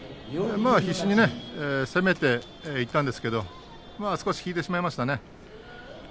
必死に攻めていったんですが少し引いてしまいましたね。